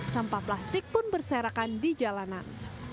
sampah plastik pun berserakan di jalanan